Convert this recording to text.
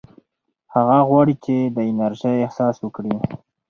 هغه غواړي چې د انرژۍ احساس وکړي.